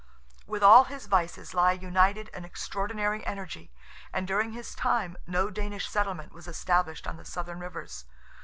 With all his vices lie united an extraordinary energy, and during his time, no Danish settlement was established on the Southern rivers.